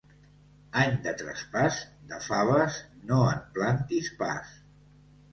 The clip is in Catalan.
Any de traspàs, de faves no en plantis pas.